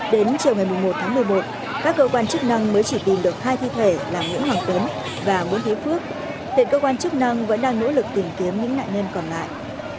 đến chiều ngày một tháng một mươi một các cơ quan chức năng mới chỉ tìm được hai thi thể là nguyễn hoàng tuấn và nguyễn thế phước hiện cơ quan chức năng vẫn đang nỗ lực tìm kiếm những nạn nhân còn lại